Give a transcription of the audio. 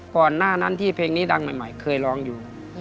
ก่อนหน้านั้นที่เพลงนี้ดังใหม่เคยร้องอยู่